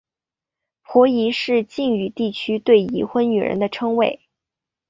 婆姨是晋语地区对已婚女人的称谓。